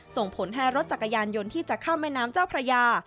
ส่งผลให้รถจักรยานยนต์ที่จะข้ามแม่น้ำเจ้าพระยา